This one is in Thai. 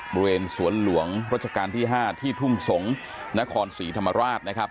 บริเวณสวนหลวงรัชกาลที่๕ที่ทุ่งสงศ์นครศรีธรรมราชนะครับ